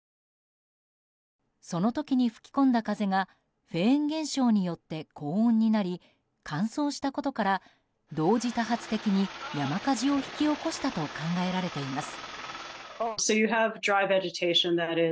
その時に吹き込んだ風がフェーン現象によって高温になり、乾燥したことから同時多発的に山火事を引き起こしたと考えられています。